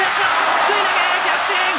すくい投げ、逆転！